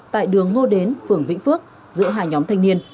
tại đường ngô đến phường vĩnh phước giữa hai nhóm thanh niên